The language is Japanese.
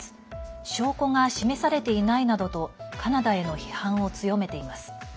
証拠が示されていないなどとカナダへの批判を強めています。